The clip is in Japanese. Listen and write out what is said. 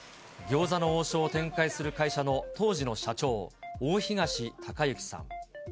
餃子の王将を展開する会社の当時の社長、大東隆行さん。